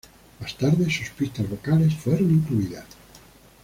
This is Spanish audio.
Más tarde, sus pistas vocales fueron incluidas.